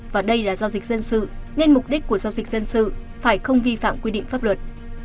và đây là giao dịch dân sự nên mục đích của giao dịch dân sự phải không vi phạm quy định pháp luật